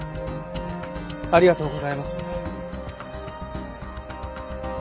ありがとうございます。